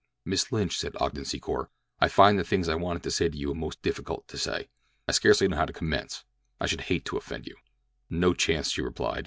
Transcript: "Miss Lynch," said Ogden Secor, "I find the things I wanted to say to you most difficult to say. I scarcely know how to commence. I should hate to offend you." "No chance," she replied.